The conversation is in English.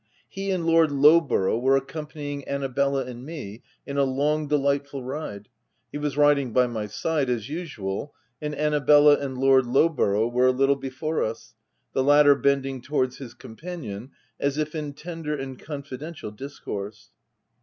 He and Lord Lowborough were ac companying Annabella and me in a long, de lightful ride; he was riding by my side, as usual, and Annabella and Lord Lowborough were a little before us, the latter bending to wards his companion as if in tender and con fidential discourse.